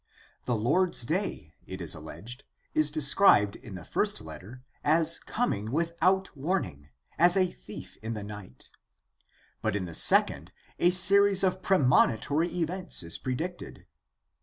The Lord's Day, it is alleged, is described in the first letter as coming without warning, as a thief in the night, but in the second a series of premonitory events is predicted.